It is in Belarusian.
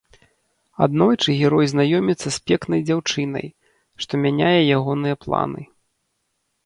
Аднойчы герой знаёміцца з пекнай дзяўчынай, што мяняе ягоныя планы.